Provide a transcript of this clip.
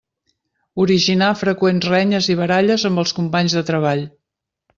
Originar freqüents renyes i baralles amb els companys de treball.